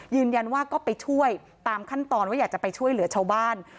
ยืนยันว่าก็ไปช่วยตามขั้นตอนว่าอยากจะไปช่วยเหลือชาวบ้าน